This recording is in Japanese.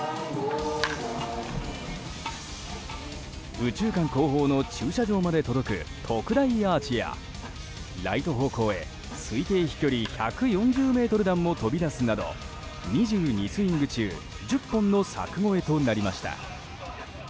右中間後方の駐車場まで届く特大アーチやライト方向へ推定飛距離１４０ｍ弾も飛び出すなど２２スイング中１０本の柵越えとなりました。